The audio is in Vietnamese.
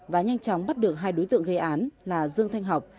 và nhanh chóng bắt được hai đối tượng gây án là dương thanh học